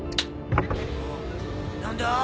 何だ？